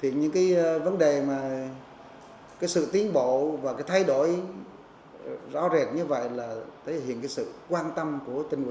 thì những cái vấn đề mà cái sự tiến bộ và cái thay đổi rõ rệt như vậy là thể hiện cái sự quan tâm của tỉnh quỹ